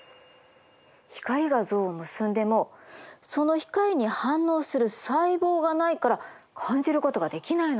光が像を結んでもその光に反応する細胞がないから感じることができないのよ。